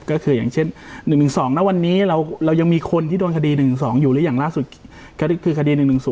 ก็คืออย่างเช่น๑๑๒นะวันนี้เรายังมีคนที่โดนคดี๑๑๒อยู่หรืออย่างล่าสุดคือคดี๑๑๐